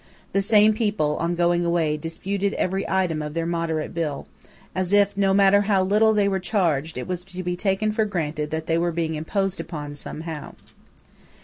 The same people, on going away, disputed every item of their moderate bill, as if, no matter how little they were charged, it was to be taken for granted that they were being imposed upon somehow.